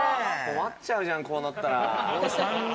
困っちゃうじゃん、こうなったら。